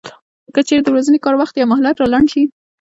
که چېرې د ورځني کار وخت یا مهلت را لنډ شي